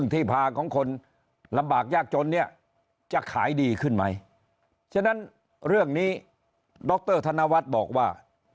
ตอนนี้ดรธนวัฒน์บอกว่า